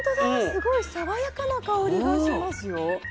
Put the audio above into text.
すごい爽やかな香りがしますよ。